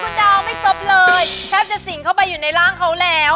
คุณดาวไม่ซบเลยแทบจะสิ่งเข้าไปอยู่ในร่างเขาแล้ว